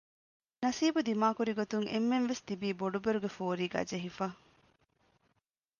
ނަސީބު ދިމާކުރިގޮތުން އެންމެންވެސް ތިބީ ބޮޑުބެރުގެ ފޯރީގައި ޖެހިފަ